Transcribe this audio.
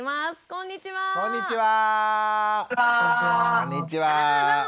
こんにっちは！